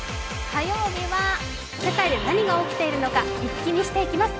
火曜日は、世界で何が起きているのか見ていきます。